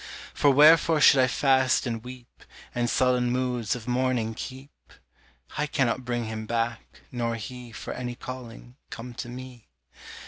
For wherefore should I fast and weep, And sullen moods of mourning keep? I cannot bring him back, nor he, For any calling, come to me.